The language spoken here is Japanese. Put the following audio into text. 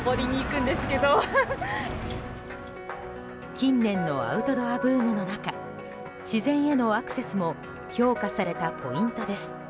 近年のアウトドアブームの中自然へのアクセスも評価されたポイントです。